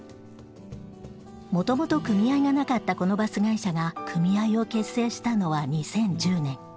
もともと組合がなかったこのバス会社が組合を結成したのは２０１０年。